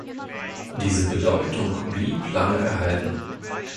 Diese Bedeutung blieb lange erhalten.